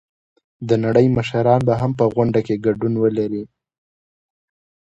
د نړۍ مشران به هم په غونډه کې ګډون ولري.